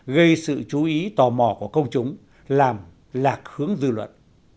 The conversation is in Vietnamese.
gây sự chú ý tò mò của công chúng làm lạc hướng dư luận